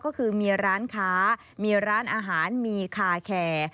ก็คือมีร้านค้ามีร้านอาหารมีคาแคร์